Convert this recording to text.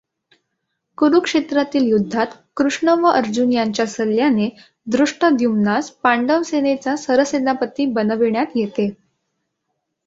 कुरुक्षेत्रातील युद्धात, कृष्ण व अर्जुन यांच्या सल्ल्याने, धृष्टद्युम्नास पांडवसेनेचा सरसेनापती बनविण्यात येते.